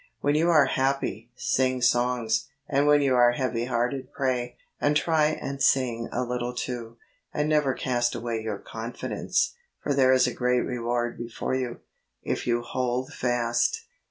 When you are happy, sing songs, and when you are heavy hearted pray, and try and sing a little too, and never cast away your confidence, for there is a great reward before you, if you hold fast.